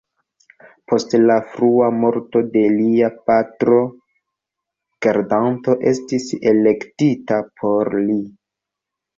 Post la frua morto de lia patro, gardanto estis elektita por li.